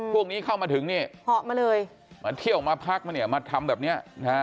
พวกนี้เข้ามาถึงมาเที่ยวมาพักมาทำแบบนี้